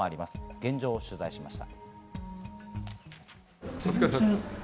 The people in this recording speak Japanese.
現状を取材しました。